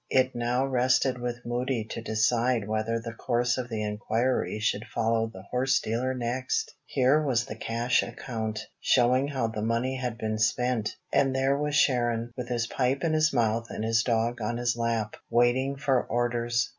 It now rested with Moody to decide whether the course of the inquiry should follow the horse dealer next. Here was the cash account, showing how the money had been spent. And there was Sharon, with his pipe in his mouth and his dog on his lap, waiting for orders.